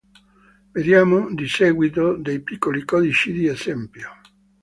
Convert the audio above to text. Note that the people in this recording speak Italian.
Vediamo di seguito, dei piccoli codici di esempio.